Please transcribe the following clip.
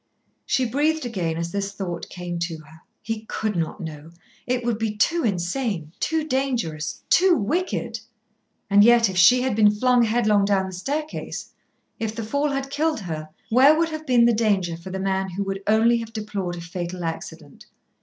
She breathed again as this thought came to her. He could not know; it would be too insane, too dangerous, too wicked. And yet, if she had been flung headlong down the staircase, if the fall had killed her, where would have been the danger for the man who would only have deplored a fatal accident.